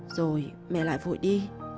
rồi mẹ lại vội đi